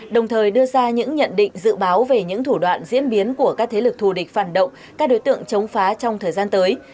đồng thời đưa ra những nhận định dự báo về những thủ đoạn diễn biến của các thế lực thù địch phản động các đối tượng chống phá trong thời gian tới